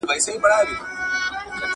هغه وويل چي غوږ ونيسئ.